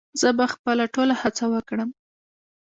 زه به خپله ټوله هڅه وکړم